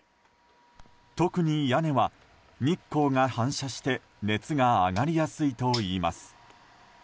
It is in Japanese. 特に屋根は、日光が反射して熱が上がりやすいといいます。